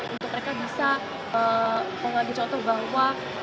untuk mereka bisa mengambil contoh bahwa